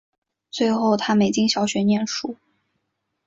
最后她没进小学念书